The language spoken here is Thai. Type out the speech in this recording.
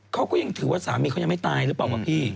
เขาก็ยังถือว่าสามีเขายังไม่ตายหรือเปล่าวะพี่